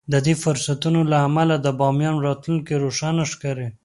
د دې فرصتونو له امله د باميان راتلونکی روښانه ښکاري.